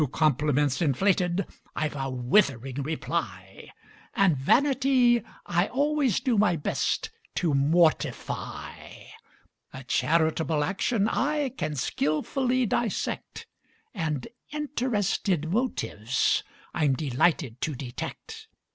To compliments inflated I've a withering reply; And vanity I always do my best to mortify; A charitable action I can skilfully dissect: And interested motives I'm delighted to detect.